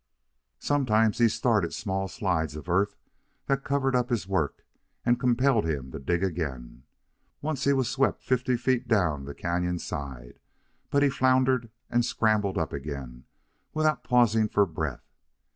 Sometimes he started small slides of earth that covered up his work and compelled him to dig again. Once, he was swept fifty feet down the canon side; but he floundered and scrambled up again without pausing for breath.